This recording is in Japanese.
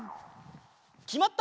きまった！